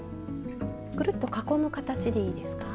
くるっと囲む形でいいですか？